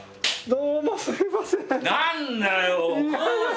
どうもすいません。